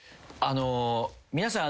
皆さん